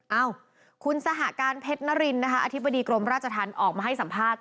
เอ้าคุณสหการเพชรนรินนะคะอธิบดีกรมราชธรรมออกมาให้สัมภาษณ์